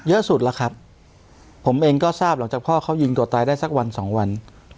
เยอะสุดแล้วครับผมเองก็ทราบหลังจากพ่อเขายิงตัวตายได้สักวันสองวัน